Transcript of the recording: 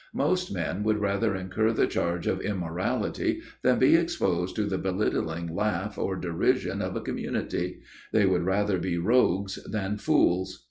Most men would rather incur the charge of immorality than be exposed to the belittling laugh or derision of a community; they would rather be rogues than fools.